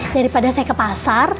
daripada saya ke pasar